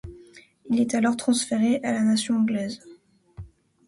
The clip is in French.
Il est alors transféré à la nation anglaise.